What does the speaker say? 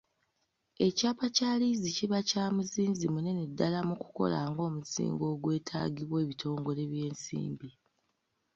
Ekyapa kya liizi kiba kya muzinzi munene ddala mu kukola ng'omusingo ogwetaagibwa ebitongole by'ebyensimbi.